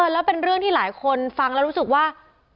แล้วเป็นเรื่องที่หลายคนฟังแล้วรู้สึกว่า